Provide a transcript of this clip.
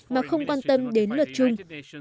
mà không quan tâm đến luật chung